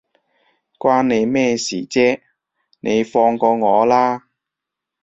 關你咩事啫，你放過我啦